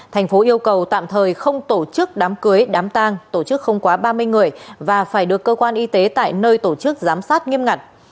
thành phố yêu cầu tạm thời không tổ chức đám cưới đám tang tổ chức không quá ba mươi người và phải được cơ quan y tế tại nơi tổ chức giám sát nghiêm ngặt